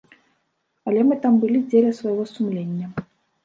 Але мы там былі дзеля свайго сумлення.